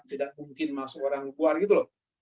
tidak mungkin masuk orang keluar gitu loh